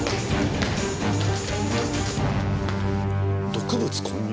毒物混入？